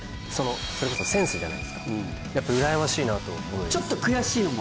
それこそセンスじゃないですかやっぱうらやましいなと思います